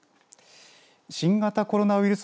新型コロナウイルス